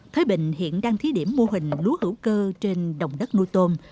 thới bình hiện đang thí điểm mô hình lúa hữu cơ trên đồng đất nuôi tôm